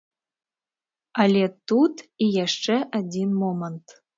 Але тут і яшчэ адзін момант.